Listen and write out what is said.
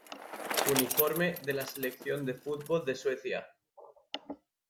Uniforme de la selección de fútbol de Suecia